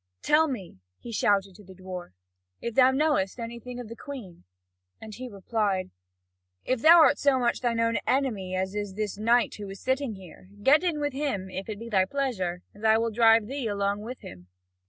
"Tell me," he shouted to the dwarf, "if thou knowest anything of the Queen." And he replied: "If thou art so much thy own enemy as is this knight who is sitting here, get in with him, if it be thy pleasure, and I will drive thee along with him."